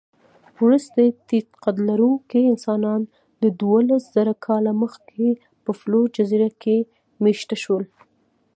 وروستي ټيټقدلرونکي انسانان دوولسزره کاله مخکې په فلور جزیره کې مېشته شول.